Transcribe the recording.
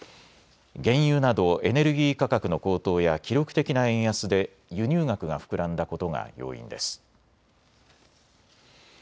原油などエネルギー価格の高騰や記録的な円安で輸入額が膨らんだことが要因です。